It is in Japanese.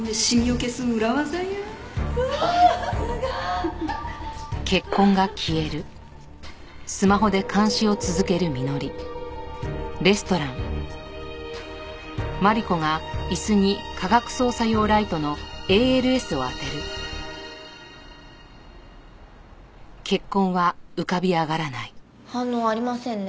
さすが！反応ありませんね。